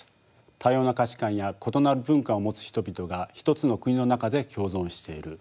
多様な価値観や異なる文化を持つ人々が一つの国の中で共存している。